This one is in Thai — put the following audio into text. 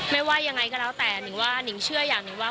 ไม่ว่ายังไงก็แล้วแต่นิ่งว่านิ่งเชื่ออย่างหนึ่งว่า